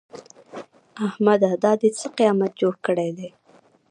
احمده! دا دې څه قيامت جوړ کړی دی؟